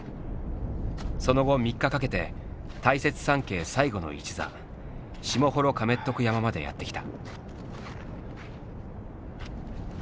その後３日かけて大雪山系最後の一座下ホロカメットク山までやって来た。